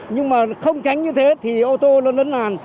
nhưng mà không tránh như thế thì ô tô lẫn lẫn làn